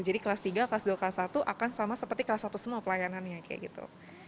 jadi kelas tiga kelas dua kelas satu akan sama seperti kelas satu semua pelayanannya kayak gitu